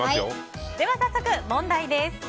では早速問題です。